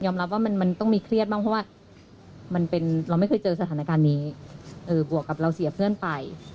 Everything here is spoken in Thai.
มันเป็นเราไม่เคยเจอสถานการณ์นี้ปวกลับเราเศียบเพื่อนไป